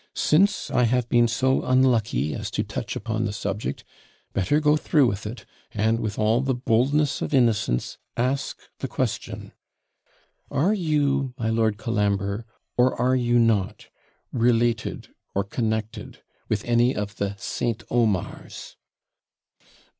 Since I have been so unlucky as to touch upon the subject, better go through with it, and, with all the boldness of innocence ask the question, Are you, my Lord Colambre, or are you not, related or connected with any of the St. Omars?'